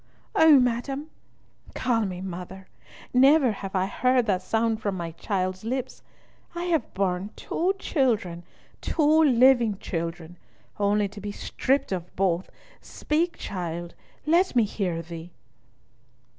"Oh, madam—" "Call me mother! Never have I heard that sound from my child's lips. I have borne two children, two living children, only to be stripped of both. Speak, child—let me hear thee."